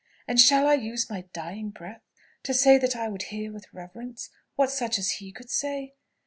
And shall I use my dying breath to say that I would hear with reverence what such as he could say?